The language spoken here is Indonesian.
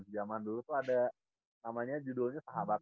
zaman dulu tuh ada namanya judulnya sahabat